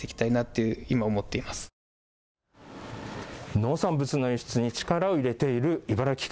農産物の輸出に力を入れている茨城県。